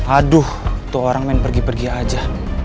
aduh tuh orang main pergi pergi aja